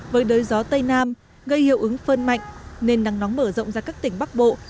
với đới gió tây nam gây hiệu ứng phơn mạnh nên nắng nóng mở rộng ra các tỉnh bắc bộ